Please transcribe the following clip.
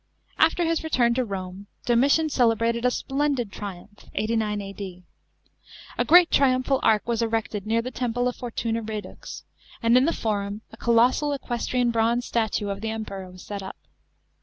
After his return to Home, Domitian celebrated a spler.d d triumph (89 A.D.). A great triumphal arch was (rected near the temple of Fortuna Redux, and in the Forum a colossal equestrian bronze statue of the Emperor was set up.